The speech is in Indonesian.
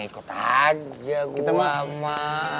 kalau di sana